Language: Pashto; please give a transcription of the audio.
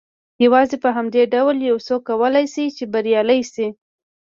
يوازې په همدې ډول يو څوک کولای شي چې بريالی شي.